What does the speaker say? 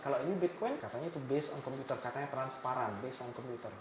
kalau ini bitcoin katanya itu based on komputer katanya transparan based on komputer